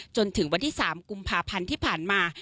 จนถึงวันที่๓กุมภาพันธ์ที่ผ่านมา